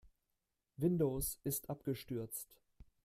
Windows ist abgestürzt.